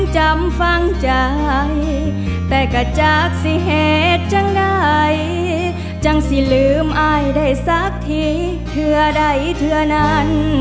จากสิเหตุจังใดจังสิลืมอายได้สักทีเทือใดเทือนั้น